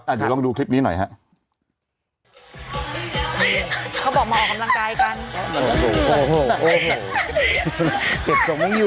เดี๋ยวลองดูคลิปนี้หน่อยฮะ